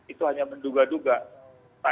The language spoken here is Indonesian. itu hanya menduga duga